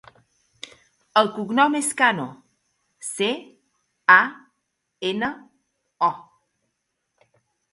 El cognom és Cano: ce, a, ena, o.